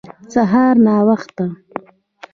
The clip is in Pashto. سهار ناوخته